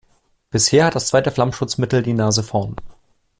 Bisher hat das zweite Flammschutzmittel die Nase vorn.